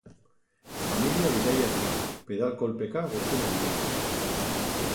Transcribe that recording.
Familia bidaiaria, pedal kolpeka gurpil gainean.